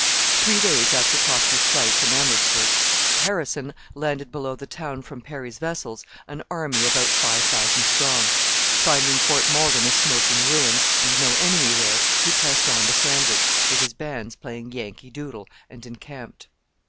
Three days after Procter's flight from Amherstburg Harrison landed below the town from Perry's vessels an army about five thousand strong. Finding Fort Malden a smoking ruin, and no enemy there, he pressed on to Sandwich, with his bands playing Yankee Doodle, and encamped.